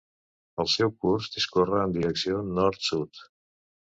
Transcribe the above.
El seu curs discorre en direcció nord-sud.